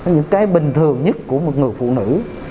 những cái bình thường nhất của một người phụ nữ